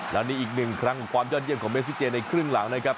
แล้วนี่อีกหนึ่งครั้งของความยอดเยี่ยมของเมซิเจในครึ่งหลังนะครับ